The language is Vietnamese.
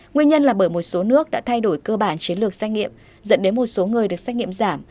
nguyên nhân là bởi một số nước đã thay đổi cơ bản chiến lược xét nghiệm dẫn đến một số người được xét nghiệm giảm